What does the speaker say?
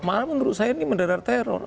malah menurut saya ini mendadar teror